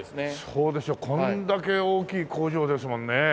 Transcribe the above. そうでしょこんだけ大きい工場ですもんね。